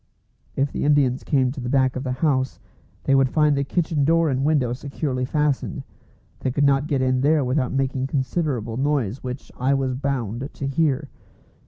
If the Indians came to the back of the house, they would find the kitchen door and window securely fastened. They could not get in there without making considerable noise, which I was bound to hear.